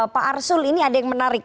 pak arsul ini ada yang menarik